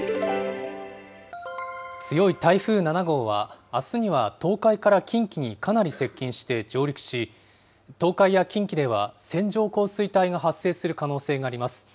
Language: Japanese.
強い台風７号は、あすには東海から近畿にかなり接近して上陸し、東海や近畿では線状降水帯が発生する可能性があります。